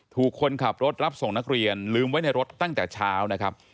ถูกคนขับรถรับส่งนักเรียนลืมไว้ในรถตั้งจากเช้า